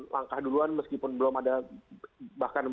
langkah duluan meskipun belum ada bahkan